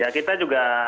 ya kita juga